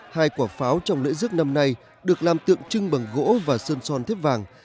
hai quả pháo trong lễ rước năm nay được làm tượng trưng bằng gỗ và sơn son thép vàng